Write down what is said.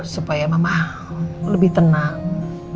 supaya mama lebih tenang